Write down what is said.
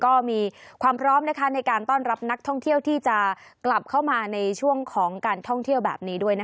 ก็มีความพร้อมในการต้อนรับนักท่องเที่ยวที่จะกลับเข้ามาในช่วงของการท่องเที่ยวแบบนี้ด้วย